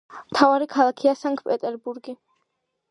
მთავარი ქალაქია სანქტ-პეტერბურგი.